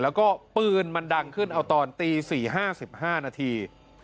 แล้วก็ปืนมันดังขึ้นเอาตอนตี๔๕๕นาที